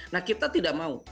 nah kita tidak mau